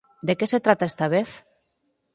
¿De que se trata esta vez?